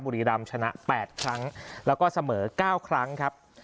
บุรีรามชนะแปดครั้งแล้วก็เสมอเก้าครั้งครับ